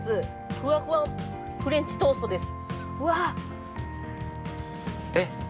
◆ふわもちフレンチトーストです。